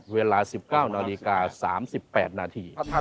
เวลา๑๙นาฬิกา๓๘นาที